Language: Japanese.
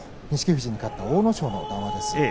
富士に勝った阿武咲のコメントです。